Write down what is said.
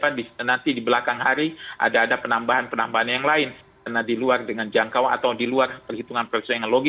nanti di belakang hari ada penambahan penambahan yang lain karena di luar dengan jangkauan atau di luar perhitungan perusahaan yang logis